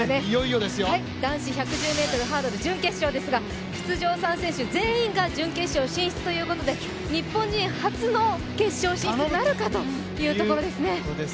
男子１１０ｍハードル準決勝ですが出場３選手全員が準決勝進出ということで日本人初の決勝進出なるかというところですね。